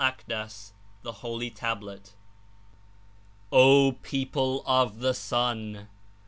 ndas—Thc Holy Tablet.) "O people ot the Son!